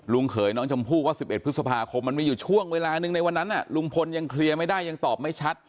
เขยน้องชมพู่ว่า๑๑พฤษภาคมมันมีอยู่ช่วงเวลาหนึ่งในวันนั้นลุงพลยังเคลียร์ไม่ได้ยังตอบไม่ชัด